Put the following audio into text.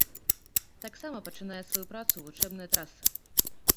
Таксама пачынае сваю працу вучэбная траса.